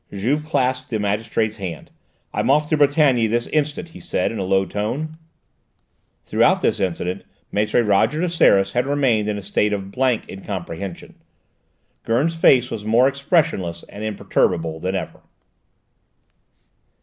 Juve clasped the magistrate's hand. "I'm off to Brétigny this instant," he said in a low tone. Throughout this incident Maître Roger de Seras had remained in a state of blank incomprehension. Gurn's face was more expressionless and impenetrable than ever.